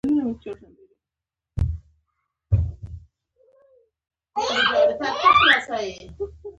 د خیلونو ترمنځ سیالي کیږي.